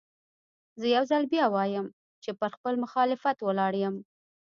زه يو ځل بيا وايم چې پر خپل مخالفت ولاړ يم.